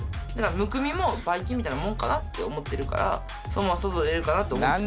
むくみもばい菌みたいなもんかなって思ってるからそのまま外に出るかなって思ってます